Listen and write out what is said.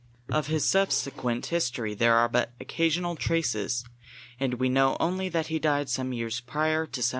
Of his subsequent history there are but occasional traces, and we know only that he died some years prior to 1737.